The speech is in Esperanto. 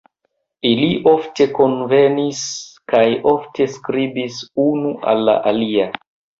Ili ofte kunvenis kaj ofte skribis unu al la alia.